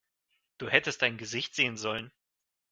Du hättest dein Gesicht sehen sollen!